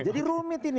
jadi rumit ini